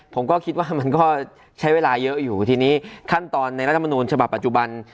ผมก็คิดว่ามันก็ใช้เวลาเยอะอยู่ทีนี้ขั้นตอนในรัฐมนูญฉบับปัจจุบัน